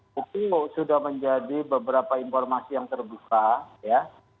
bukti sudah menjadi beberapa informasi yang terbuka ya